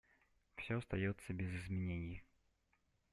Все остается без изменений.